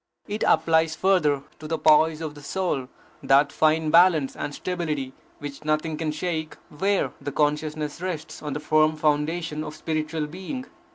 It applies further to the poise of the soul, that fine balance and stability which nothing can shake, where the consciousness rests on the firm foundation of spiritual being.